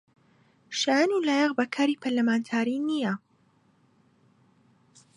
شایەن و لایەق بە کاری پەرلەمانتاری نییە